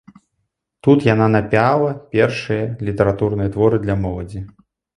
Тут яна напіала першыя літаратурныя творы для моладзі.